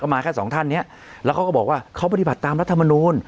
มาแค่สองท่านเนี้ยแล้วเขาก็บอกว่าเขาปฏิบัติตามรัฐมนูล